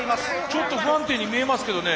ちょっと不安定に見えますけどね